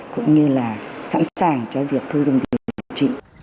cũng như là sẵn sàng cho việc thu dùng việc điều trị